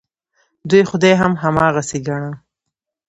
دوی خدای هم هماغسې ګاڼه.